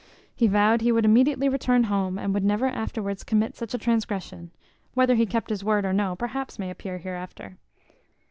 He vowed he would immediately return home, and would never afterwards commit such a transgression: whether he kept his word or no, perhaps may appear hereafter.